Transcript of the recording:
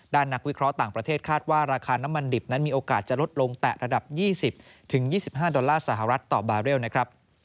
นักวิเคราะห์ต่างประเทศคาดว่าราคาน้ำมันดิบนั้นมีโอกาสจะลดลงแต่ระดับ๒๐๒๕ดอลลาร์สหรัฐต่อบาเรลนะครับ